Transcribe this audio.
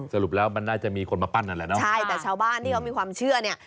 สรุปแล้วมันน่าจะมีคนมาปั้นนั่นแหละเนาะใช่แต่ชาวบ้านที่เขามีความเชื่อเนี่ย